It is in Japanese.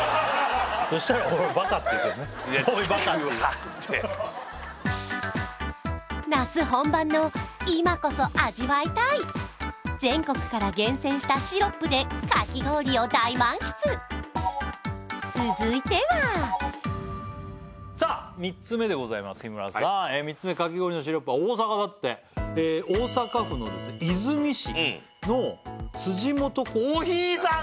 そしたら俺バカって言うけどね夏本番の今こそ味わいたい全国から厳選したシロップでかき氷を大満喫続いてはさあ３つ目でございます日村さん３つ目かき氷のシロップは大阪だって大阪府の和泉市の辻本珈琲さんが！